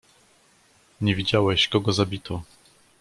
"Nie widziałeś, kogo zabito."